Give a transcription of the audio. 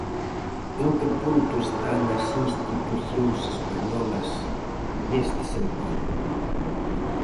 En que punto están as institucións españolas neste sentido?